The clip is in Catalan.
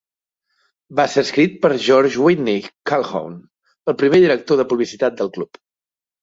Va ser escrit per George Whitney Calhoun, el primer director de publicitat del club.